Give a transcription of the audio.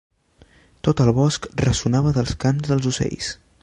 Tot el bosc ressonava dels cants dels ocells.